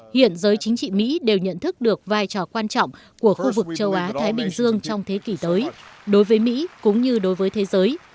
hiện giới chính trị mỹ đều nhận thức được vai trò quan trọng của khu vực châu á thái bình dương trong thế kỷ tới đối với mỹ cũng như đối với thế giới